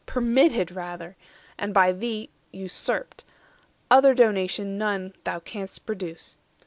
Permitted rather, and by thee usurped; Other donation none thou canst produce.